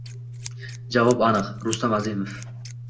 Javob aniq: Rustam Azimov.